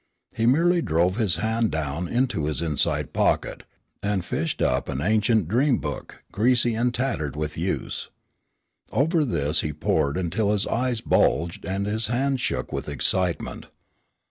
He merely drove his hand down into his inside pocket, and fished up an ancient dream book, greasy and tattered with use. Over this he pored until his eyes bulged and his hands shook with excitement.